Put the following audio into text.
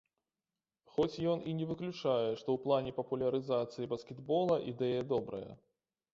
Хоць ён і не выключае, што ў плане папулярызацыі баскетбола ідэя добрая.